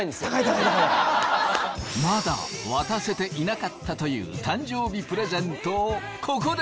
まだ渡せていなかったという誕生日プレゼントをここで。